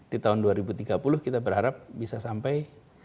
di tahun dua ribu tiga puluh kita berharap bisa sampai dua puluh lima tujuh puluh lima